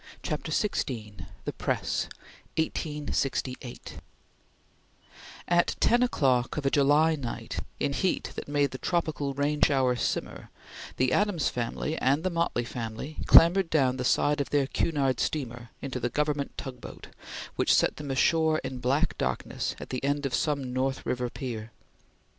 CHAPTER XVI THE PRESS (1868) AT ten o'clock of a July night, in heat that made the tropical rain shower simmer, the Adams family and the Motley family clambered down the side of their Cunard steamer into the government tugboat, which set them ashore in black darkness at the end of some North River pier.